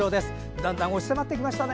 だんだん押し迫ってきましたね。